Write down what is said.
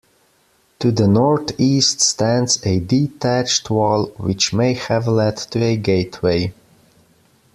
To the north-east stands a detached wall which may have led to a gateway.